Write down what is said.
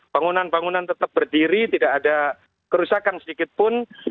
bangunan bangunan tetap berdiri tidak ada kerusakan sedikitpun